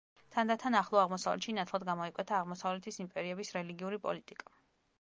თანდათან ახლო აღმოსავლეთში ნათლად გამოიკვეთა აღმოსავლეთის იმპერიების რელიგიური პოლიტიკა.